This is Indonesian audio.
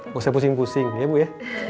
gak usah pusing pusing ya bu ya